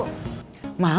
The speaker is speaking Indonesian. kamu gak mau